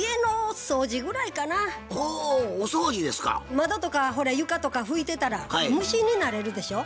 窓とか床とか拭いてたら無心になれるでしょ。